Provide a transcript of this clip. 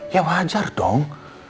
ya wajar dong